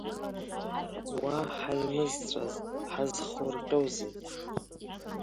Уаа, ҳаимызҵәаз, ҳазхурҟьози?